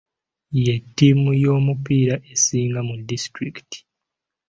Ye ttiimu y'omupiira esinga mu disitulikiti.